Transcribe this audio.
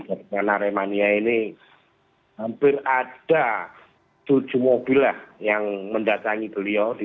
karena remania ini hampir ada tujuh mobil lah yang mendatangi beliau